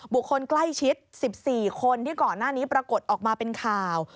คนใกล้ชิด๑๔คนที่ก่อนหน้านี้ปรากฏออกมาเป็นข่าว